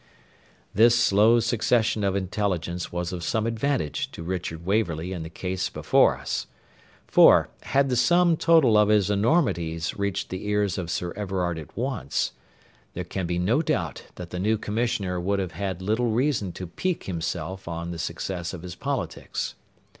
This slow succession of intelligence was of some advantage to Richard Waverley in the case before us; for, had the sum total of his enormities reached the ears of Sir Everard at once, there can be no doubt that the new commissioner would have had little reason to pique himself on the success of his politics.